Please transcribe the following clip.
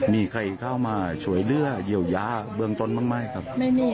มีใครเข้ามาช่วยเลือดเยียวยาเบื้องต้นบ้างไหมครับ